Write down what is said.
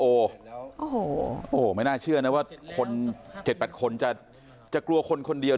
โอ้โหโอ้โหไม่น่าเชื่อนะว่าคน๗๘คนจะกลัวคนคนเดียว